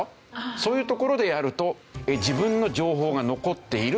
そういうところでやると自分の情報が残っている。